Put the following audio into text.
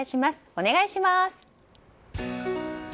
お願いします。